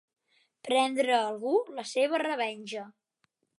Prendre algú la seva revenja.